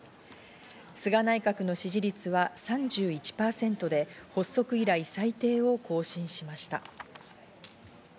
菅内閣の支持率は３１％で、発足以来、最低を更新しました。